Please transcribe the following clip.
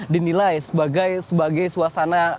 dinilai sebagai suasana